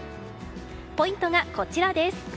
ポイントがこちらです。